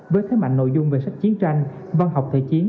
với thế mạnh nội dung về sách chiến tranh văn học thể chiến